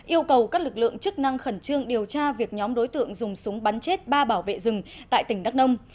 yêu cầu các lực lượng chức năng khẩn trương điều tra việc nhóm đối tượng dùng súng bắn chết ba bảo vệ rừng tại tỉnh đắk nông